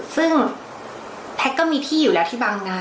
ซึ่งแพทย์ก็มีที่อยู่แล้วที่บางนา